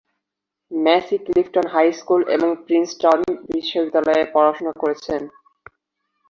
Massey Clifton high school এবং Princeton বিশ্ববিদ্যালয়ে পড়াশোনা করেছেন।